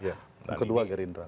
ya yang kedua gerindra